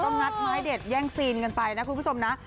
ก็งัดไม้เด็ดแย่งซีนกันไปนะคุณผู้ชมนะ